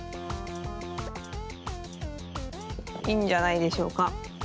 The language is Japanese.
いいんじゃないでしょうか。